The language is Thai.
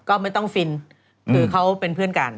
ก็ไม่ต้องฟินคือเขาเป็นเพื่อนกัน